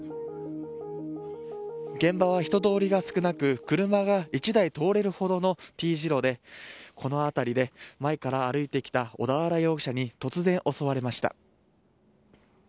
現場は人通りが少なく車が１台通れるほどの丁字路で、この辺りで前から歩いてきた小田原容疑者に突然、襲われました。